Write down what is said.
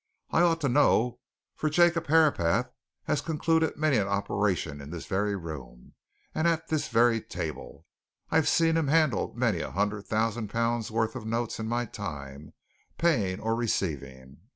"I ought to know, for Jacob Herapath has concluded many an operation in this very room, and at this very table I've seen him handle many a hundred thousand pounds' worth of notes in my time, paying or receiving!